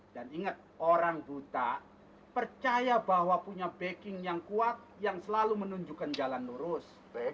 ingat orang buta percaya bahwa punya backing yang kuat yang selalu menunjukkan jalan lurus